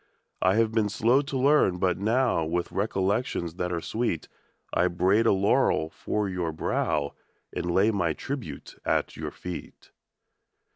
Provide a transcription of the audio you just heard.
I have been slow to learn, but now, With recollections ■ that are sweet, I braid a laurel for your brow And lay my tribute at your eet.